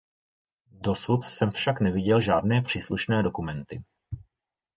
Dosud jsem však neviděl žádné příslušné dokumenty.